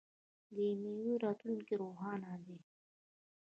د میوو راتلونکی روښانه دی.